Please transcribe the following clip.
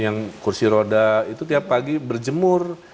yang kursi roda itu tiap pagi berjemur